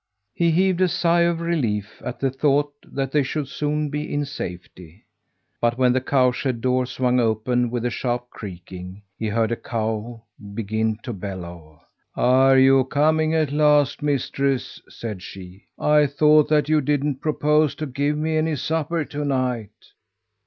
He heaved a sigh of relief at the thought that they should soon be in safety. But when the cowshed door swung open with a sharp creaking, he heard a cow begin to bellow. "Are you coming at last, mistress?" said she. "I thought that you didn't propose to give me any supper to night."